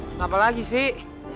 kenapa lagi sih